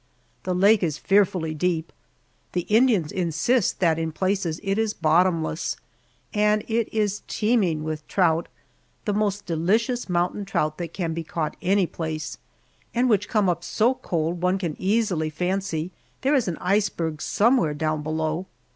The lake is fearfully deep the Indians insist that in places it is bottomless and it is teeming with trout, the most delicious mountain trout that can be caught any place, and which come up so cold one can easily fancy there is an iceberg somewhere down below.